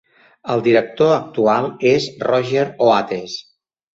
El director actual és Roger Oates.